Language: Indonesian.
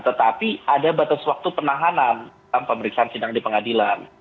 tetapi ada batas waktu penahanan dalam pemeriksaan sidang di pengadilan